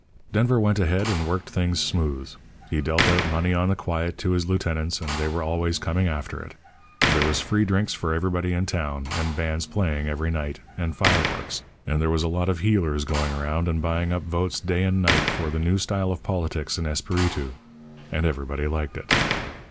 "Denver went ahead and worked things smooth. He dealt out money on the quiet to his lieutenants, and they were always coming after it. There was free drinks for everybody in town, and bands playing every night, and fireworks, and there was a lot of heelers going around buying up votes day and night for the new style of politics in Espiritu, and everybody liked it.